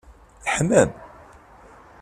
Teḥmam!